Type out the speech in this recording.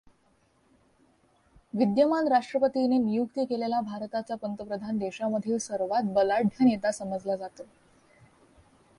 विद्यमान राष्ट्रपतीने नियुक्ती केलेला भारताचा पंतप्रधान देशामधील सर्वात बलाढ्य नेता समजला जातो.